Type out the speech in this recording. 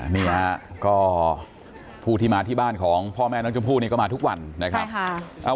นี่ฮะก็ผู้ที่มาที่บ้านของพ่อแม่น้องชมพู่นี่ก็มาทุกวันนะครับ